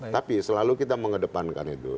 tapi selalu kita mengedepankan itu